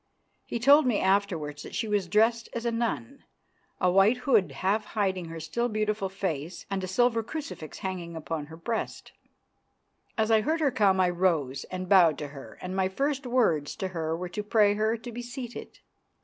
He told me afterwards that she was dressed as a nun, a white hood half hiding her still beautiful face and a silver crucifix hanging upon her breast. As I heard her come I rose and bowed to her, and my first words to her were to pray her to be seated.